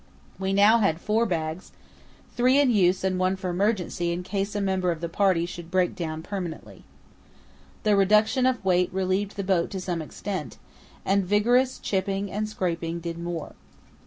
We now had four bags, three in use and one for emergency use in case a member of the party should break down permanently. The reduction of weight relieved the boat to some extent, and vigorous chipping and scraping did more.